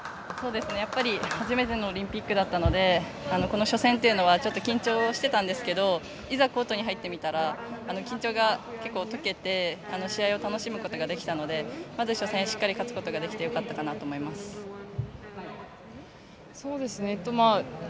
初めてのオリンピックだったのでこの初戦というのはちょっと緊張していたんですけどいざコートに入ってみたら緊張が解けて試合を楽しむことができたのでまず初戦しっかり勝つことができてよかったかなと思います。